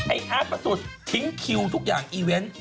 อาร์ตประสุทธิ์ทิ้งคิวทุกอย่างอีเวนต์